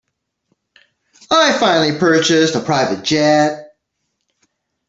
I finally purchased a private jet.